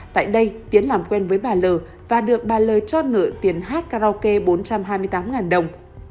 tại đây tiến làm quen với bà l và được bà lời cho nợ tiền hát karaoke bốn trăm hai mươi tám đồng